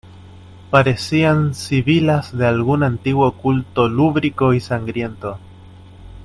parecían sibilas de algún antiguo culto lúbrico y sangriento.